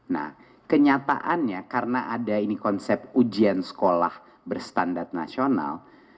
nah kenyataannya karena ada ini konsep ujian sekolah berstandar nasional